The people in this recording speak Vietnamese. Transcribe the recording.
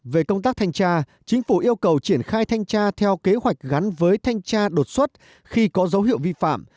về công tác thanh tra chính phủ yêu cầu triển khai thanh tra theo kế hoạch gắn với thanh tra đột xuất khi có dấu hiệu vi phạm